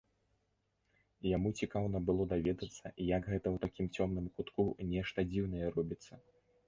Яму цікаўна было даведацца, як гэта ў такім цёмным кутку нешта дзіўнае робіцца.